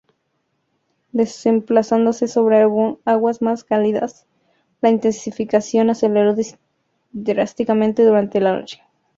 Desplazándose sobre aguas más cálidas, la intensificación aceleró drásticamente durante la noche.